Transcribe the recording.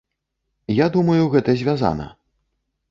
Я думаю, гэта звязана.